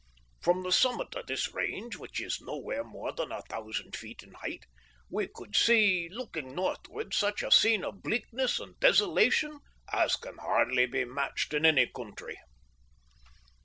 From the summit of this range, which is nowhere more than a thousand feet in height, we could see, looking northward, such a scene of bleakness and desolation as can hardly be matched in any country.